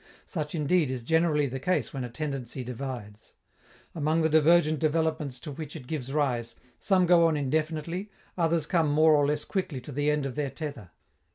Such, indeed, is generally the case when a tendency divides. Among the divergent developments to which it gives rise, some go on indefinitely, others come more or less quickly to the end of their tether.